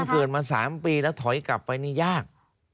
เกิดมา๓ปีแล้วถอยกลับไปนี่ยาก